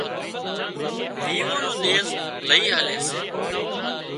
ويوان نو ۮيز لئي آلي سي